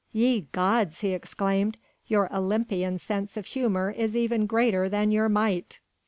"Ye gods!" he exclaimed, "your Olympian sense of humour is even greater than your might."